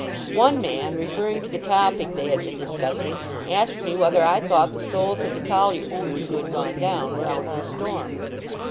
One man, referring to the topic they had been discussing, asked me whether I thought the souls of the collier crews who had gone down, were out in the storm?